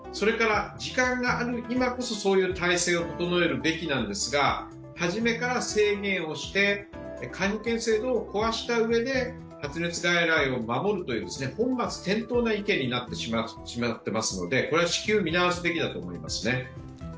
時間がある今こそそういう体制を整えるべきなんですが初めから制限をして、皆保険制度を壊したうえで発熱外来を守るという本末転倒の意見になってしまっていますので、これは至急見直すべきだと思いますね。